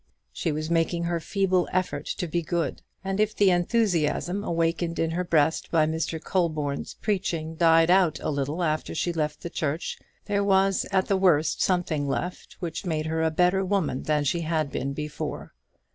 She was making her feeble effort to be good; and if the enthusiasm awakened in her breast by Mr. Colborne's preaching died out a little after she left the church, there was at the worst something left which made her a better woman than she had been before.